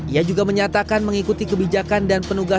ia juga menyatakan mengikuti kebijakan dan penugasan